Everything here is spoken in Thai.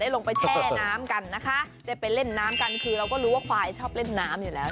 ลงไปแช่น้ำกันนะคะได้ไปเล่นน้ำกันคือเราก็รู้ว่าควายชอบเล่นน้ำอยู่แล้ว